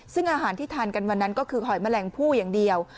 ซึ่งอาหารที่ทานกันวันนั้นก็คือหอยแมลงผู้อย่างเดียว